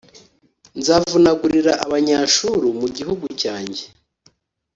Nzavunagurira Abanyashuru mu gihugu cyanjye,